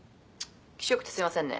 「キショくてすいませんね」